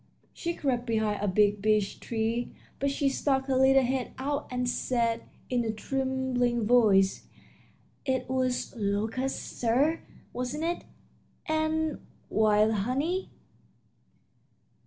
She crept behind a big beech tree, but she stuck her little head out and said, in a trembling voice: "It was locusts, sir, wasn't it and wild honey?"